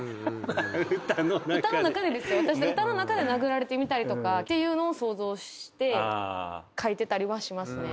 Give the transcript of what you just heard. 歌の中で殴られてみたりとかっていうのを想像して書いてたりはしますね。